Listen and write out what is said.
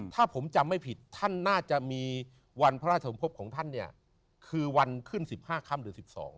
ถ้าผมจำไม่ผิดท่านน่าจะมีวันพระราชสมภพของท่านเนี่ยคือวันขึ้น๑๕ค่ำหรือ๑๒